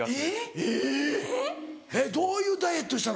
・えっどういうダイエットしたの？